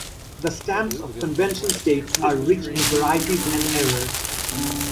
The stamps of convention states are rich in varieties and errors.